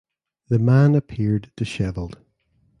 The man appeared dishevelled.